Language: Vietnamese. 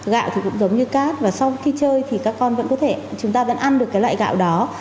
gạo thì cũng giống như cát và sau khi chơi thì các con vẫn có thể chúng ta vẫn ăn được cái loại gạo đó